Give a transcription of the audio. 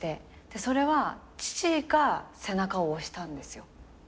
でそれは父が背中を押したんですよ。